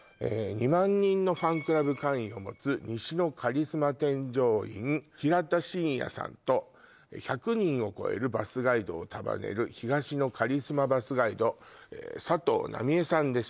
２万人のファンクラブ会員を持つ西のカリスマ添乗員平田進也さんと１００人を超えるバスガイドを束ねる東のカリスマバスガイド佐藤奈美恵さんです